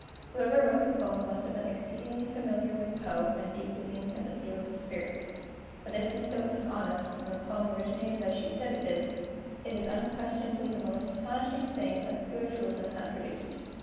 Whoever wrote the poem must have been exceedingly familiar with Poe, and deeply in sympathy with his spirit. But if Miss Doten is honest, and the poem originated as she said it did, it is unquestionably the most astonishing thing that Spiritualism has produced.